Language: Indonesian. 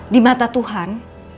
di mata tuhan